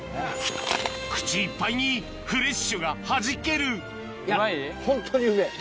口いっぱいにフレッシュがはじけるホントにうめぇ。